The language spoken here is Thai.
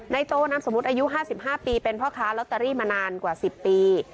โตนามสมมุติอายุ๕๕ปีเป็นพ่อค้าลอตเตอรี่มานานกว่า๑๐ปี